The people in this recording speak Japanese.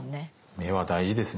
目は大事ですね